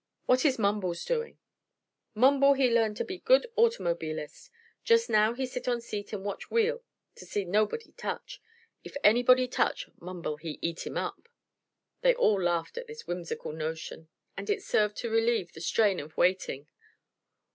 What is Mumbles doing?" "Mumble he learn to be good automobilist. Jus' now he sit on seat an' watch wheel to see nobody touch. If anybody touch, Mumble he eat him up." They all laughed at this whimsical notion and it served to relieve the strain of waiting.